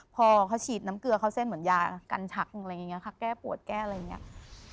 พอเขาฉีดน้ำเกลือเข้าเส้นเหมือนยากันชักอะไรอย่างนี้ค่ะแก้ปวดแก้อะไรอย่างนี้